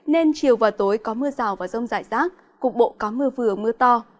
nên chiều và tối có mưa rào và rông rải rác cục bộ có mưa vừa mưa to